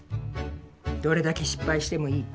どれだけ失敗してもいい。